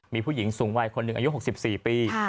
มีผู้หญิงสูงวัยคนหนึ่งอายุ๖๔ปี